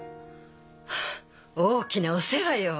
はっ大きなお世話よ。